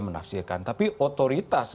menafsirkan tapi otoritas